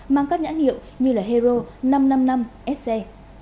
mang các nhãn hiệu như hero năm trăm năm mươi năm se